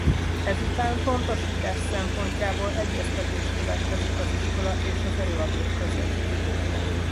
Ezután pontosítás szempontjából egyeztetés következik az iskola és az előadók között.